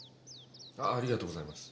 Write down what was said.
ありがとうございます。